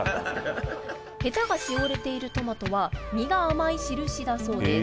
ヘタがしおれているトマトは実が甘い印だそうです。